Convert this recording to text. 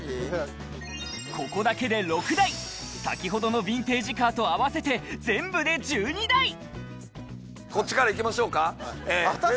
ここだけで６台先ほどのヴィンテージカーと合わせて全部で１２台こっちからいきましょうか？